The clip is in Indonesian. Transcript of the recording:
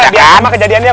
dia sama kejadiannya